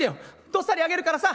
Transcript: どっさりあげるからさ！」。